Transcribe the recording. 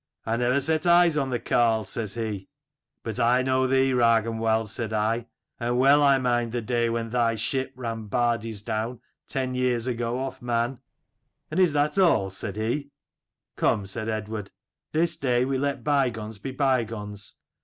'"I never set eyes on the carle,' says he. '"But I know thee, Ragnwald,' said I ;' and well I mind the day when thy ship ran Bardi's down, ten years ago, off Man.' '"And is that all? 'said he. 28 "'Come/ said Eadward: 'this day we let bygones be bygones.